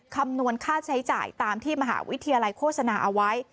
คำนวณค่าใช้จ่ายตามที่มหาวิทยาลัยโฆษณาเอาไว้